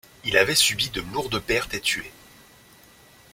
Il avait subi de lourdes pertes et tués.